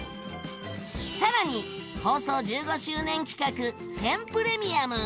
さらに放送１５周年企画「選プレミアム」！